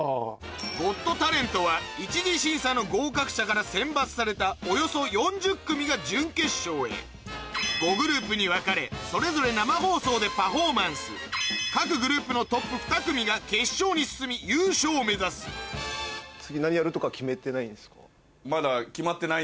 『ゴット・タレント』は一次審査の合格者から選抜されたおよそ４０組が準決勝へ５グループに分かれそれぞれ生放送でパフォーマンス各グループのトップ２組が決勝に進み優勝を目指す前。